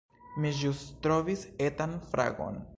Mi ĵus trovis etan fragon